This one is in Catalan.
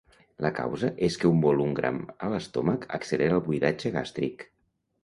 La causa és que un volum gran a l'estómac accelera el buidatge gàstric.